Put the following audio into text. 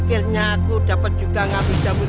akhirnya aku dapat juga ngabis ngabut